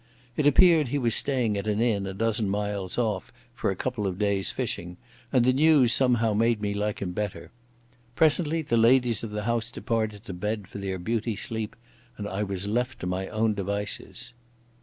It appeared he was staying at an inn a dozen miles off for a couple of days' fishing, and the news somehow made me like him better. Presently the ladies of the house departed to bed for their beauty sleep and I was left to my own devices.